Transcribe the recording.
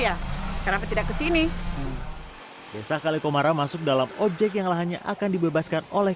ya kenapa tidak kesini desa kalikomara masuk dalam objek yang lahannya akan dibebaskan oleh